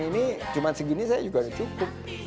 ini cuma segini saya juga udah cukup